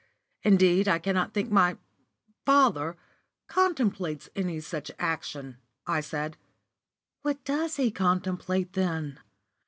Indeed, I cannot think my father contemplates any such action," I said. "What does he contemplate then?"